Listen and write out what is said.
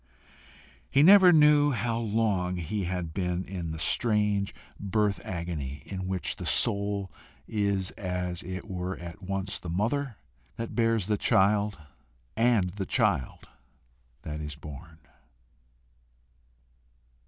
He never knew how long he had been in the strange birth agony, in which the soul is as it were at once the mother that bears and the child that is born.